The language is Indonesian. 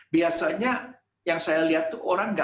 biasanya yang saya lihat itu